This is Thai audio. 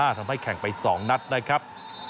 ทำให้แข่งไป๒นัดนะครับ